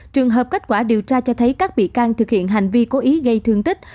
trường hợp kết quả điều tra cho thấy các bị can thực hiện hành vi cố ý gây thương tích